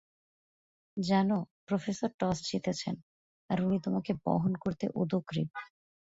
জানো, professor toss জিতেছেন আর উনি তোমাকে বহন করতে উদগ্রীব।